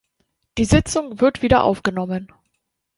Die Sitzung wird wieder aufgenommen.